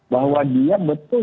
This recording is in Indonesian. bahwa dia betul